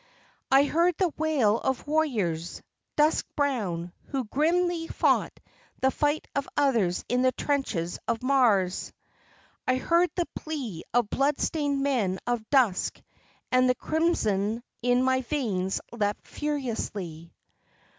I heard the wail of warriors, dusk brown, who grimly fought the fight of others in the trenches of Mars. I heard the plea of blood stained men of dusk and the crimson in my veins leapt furiously.